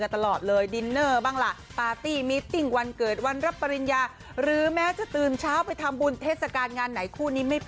ตลอดเลยดินเนอร์บ้างล่ะปาร์ตี้มิตติ้งวันเกิดวันรับปริญญาหรือแม้จะตื่นเช้าไปทำบุญเทศกาลงานไหนคู่นี้ไม่พอ